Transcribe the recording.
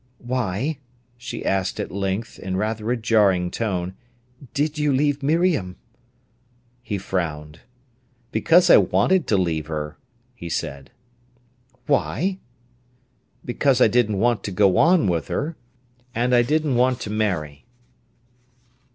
"Why," she asked at length, in rather a jarring tone, "did you leave Miriam?" He frowned. "Because I wanted to leave her," he said. "Why?" "Because I didn't want to go on with her. And I didn't want to marry."